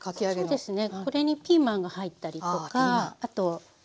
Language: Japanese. そうですね